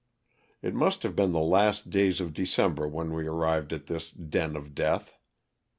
It must have been the last days of December when we arrived at this *'den of death."